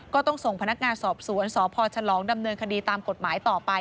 ก็ต้องส่งพนักงานสอบสวนสพฉลองดำเนินคดีตามกฎหมายต่อไป